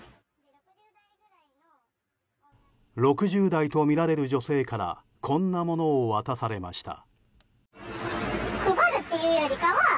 ６０代とみられる女性からこんなものを渡されました。